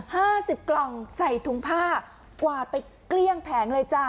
ห้าสิบกล่องใส่ถุงผ้ากวาดไปเกลี้ยงแผงเลยจ้ะ